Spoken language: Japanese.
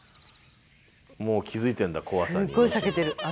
もう気付いてんだ怖さに。